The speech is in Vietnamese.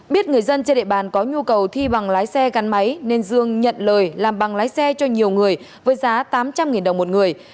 biết người dân trên địa bàn có nhu cầu thi bằng lái xe gắn máy nên dương nhận lời làm bằng lái xe cho nhiều người với giá tám trăm linh đồng một người